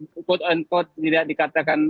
quote unquote tidak dikatakan